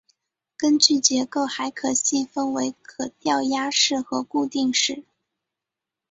根据结构还可细分为可调压式和固定式。